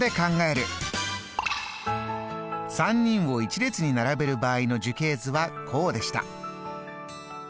３人を一列に並べる場合の樹形図はこうでした。